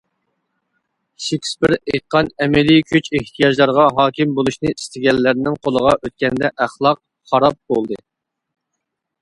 شېكېسپېر ئېيتقان ئەمەلىي كۈچ ئېھتىياجلارغا ھاكىم بولۇشنى ئىستىگەنلەرنىڭ قولىغا ئۆتكەندە ئەخلاق خاراب بولدى.